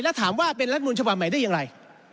แล้วถามว่าเป็นรัฐมนุนฉบับใหม่ได้อย่างไร